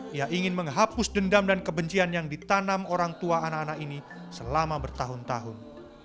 dia ingin menghapus dendam dan kebencian yang ditanam orang tua anak anak ini selama bertahun tahun